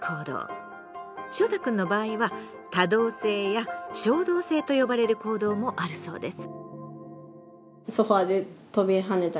しょうたくんの場合は「多動性」や「衝動性」と呼ばれる行動もあるそうです。